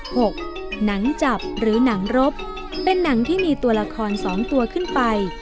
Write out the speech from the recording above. หนังจับหรือหนังรบเป็นหนังที่มีตัวละครสองตัวขึ้นไป